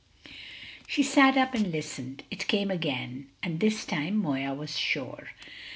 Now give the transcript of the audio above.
She sat up and listened. It came again. And this time Moya was sure.